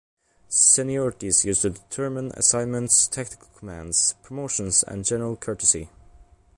Seniority is used to determine assignments, tactical commands, promotions and general courtesy.